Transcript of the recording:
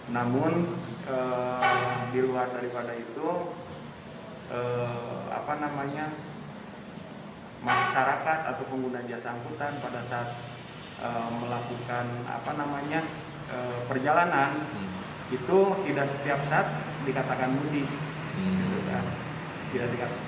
namun di luar daripada itu masyarakat atau pengguna jasa angkutan pada saat melakukan perjalanan itu tidak setiap saat dikatakan mudik